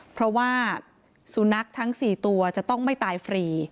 เพราะว่าสุนัขทั้ง๔ตัวจะต้องไม่ตายฟรี